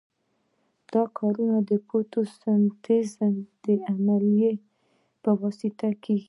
دا کار د فوتو سنتیز د عملیې په واسطه کیږي.